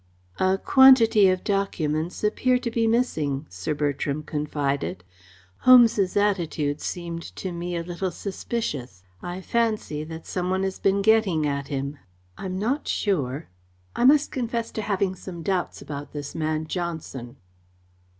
"A quantity of documents appear to be missing," Sir Bertram confided. "Holmes's attitude seemed to me a little suspicious. I fancy that some one has been getting at him. I am not sure I must confess to having some doubts about this man Johnson."